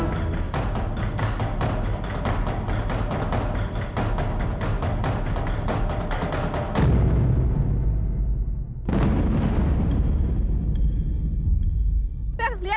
kita harus ke rumah